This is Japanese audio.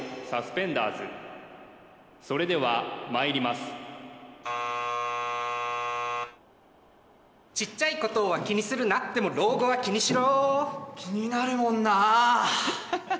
それではまいりますちっちゃいことは気にするなでも老後は気にしろ気になるもんなあ